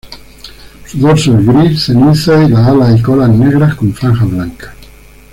Su dorso es gris ceniza y las alas y cola negras con franjas blancas.